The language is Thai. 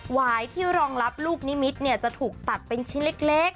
วายที่รองรับลูกนิมิตรจะถูกตัดเป็นชิ้นเล็ก